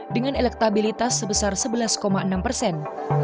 dengan elektabilitas sebesar sebelas enam persen